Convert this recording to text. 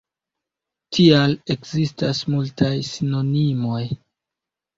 Tial ekzistas multaj sinonimoj.